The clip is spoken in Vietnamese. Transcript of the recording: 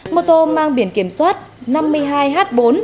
mô tô mang biển kiểm soát năm mươi hai h bốn ba nghìn chín trăm chín mươi năm